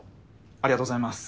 ありがとうございます！